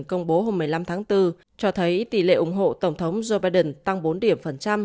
công bố hôm một mươi năm tháng bốn cho thấy tỷ lệ ủng hộ tổng thống joe biden tăng bốn điểm phần trăm